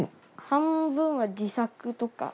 半分は自作とか。